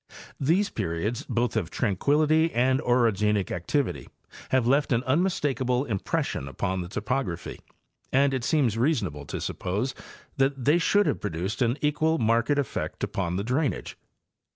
These periods, both of tranquillity and orogenic activity, have left an unmistakable impression upon the topography, and it seems reasonable to suppose that they should have produced an equally marked effect upon the drainage.